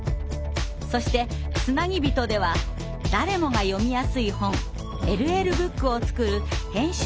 そして「つなぎびと」では誰もが読みやすい本「ＬＬブック」を作る編集者の思いに迫ります。